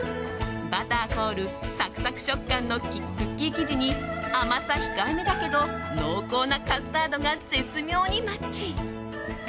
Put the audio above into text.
バター香るサクサク食感のクッキー生地に甘さ控えめだけど濃厚なカスタードが絶妙にマッチ！